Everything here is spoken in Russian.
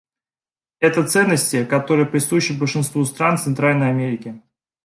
Это ценности, которые присущи большинству стран Центральной Америки.